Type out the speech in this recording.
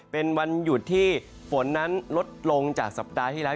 เป็นวันหยุดที่ฝนนั้นลดลงจากสัปดาห์ที่แล้ว